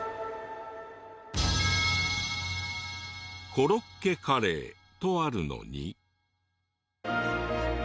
「コロッケカレー」とあるのに。